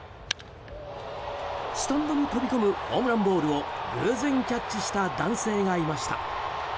スタンドに飛び込むホームランボールを偶然キャッチした男性がいました。